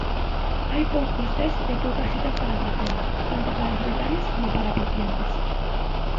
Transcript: Hai poucos tests e poucas citas para facelos, tanto para sanitarios como para pacientes.